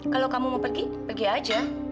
kalau kamu mau pergi pergi aja